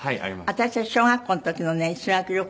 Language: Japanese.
私の小学校の時のね修学旅行